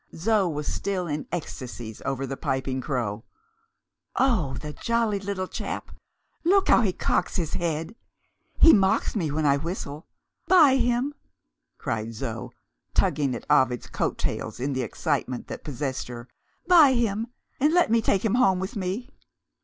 Zo was still in ecstasies over the Piping Crow. "Oh, the jolly little chap! Look how he cocks his head! He mocks me when I whistle. Buy him," cried Zo, tugging at Ovid's coat tails in the excitement that possessed her; "buy him, and let me take him home with me!"